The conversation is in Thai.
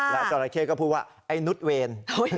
กางุนก็พูดว่าไอหนุทเวน